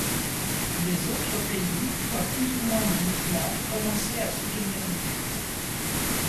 Les autres pays voient plus ou moins de mouvements commencer à soutenir l'idée.